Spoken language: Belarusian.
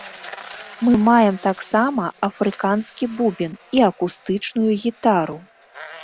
Мы маем таксама афрыканскі бубен і акустычную гітару.